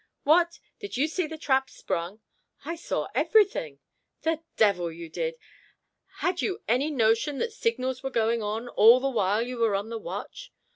"What! did you see the trap sprung?" "I saw everything." "The devil you did! Had you any notion that signals were going on, all the while you were on the watch?